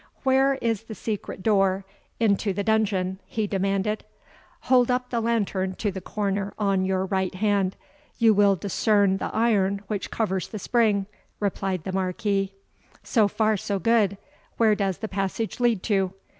"Where is the secret door into the dungeon?" he demanded. "Hold up the lantern to the corner on your right hand, you will discern the iron which covers the spring," replied the Marquis. "So far so good. Where does the passage lead to?"